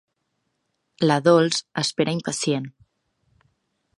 La Dols espera impacient.